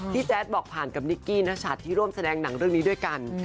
แจ๊ดบอกผ่านกับนิกกี้นชัดที่ร่วมแสดงหนังเรื่องนี้ด้วยกัน